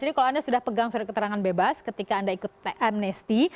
jadi kalau anda sudah pegang surat keterangan bebas ketika anda ikut teks amnesti